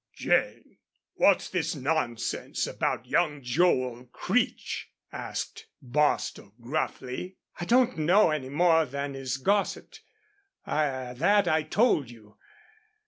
"Jane, what's this nonsense about young Joel Creech?" asked Bostil, gruffly. "I don't know any more than is gossiped. That I told you.